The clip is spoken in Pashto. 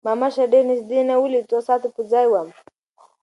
ما مشر ډېر د نزدې نه وليد څو ساعت پۀ ځائې ووم